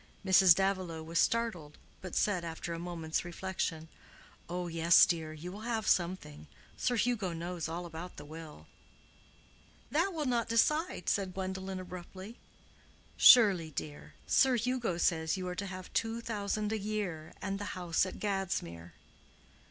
Mrs. Davilow was startled, but said, after a moment's reflection, "Oh yes, dear, you will have something. Sir Hugo knows all about the will." "That will not decide," said Gwendolen, abruptly. "Surely, dear: Sir Hugo says you are to have two thousand a year and the house at Gadsmere."